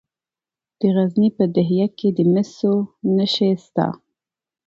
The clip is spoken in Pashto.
د غزني په ده یک کې د مسو نښې شته.